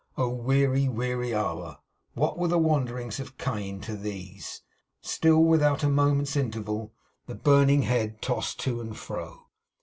Oh, weary, weary hour! What were the wanderings of Cain, to these! Still, without a moment's interval, the burning head tossed to and fro.